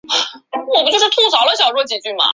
受古瓦哈蒂总教区管辖。